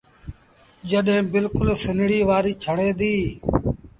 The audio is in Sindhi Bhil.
جڏهيݩ بلڪُل سنڙيٚ وآريٚ ڇڻي ديٚ۔